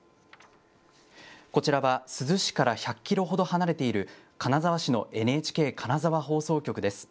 こちらは、珠洲市から１００キロほど離れている金沢市のＮＨＫ金沢放送局です。